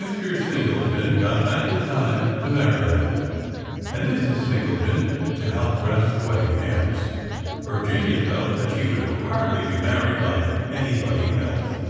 Mr. Singleton got back in time to marry them, and Mrs. Singleton to help dress the wedding hams. Virginia felt that she would hardly be married by anybody else.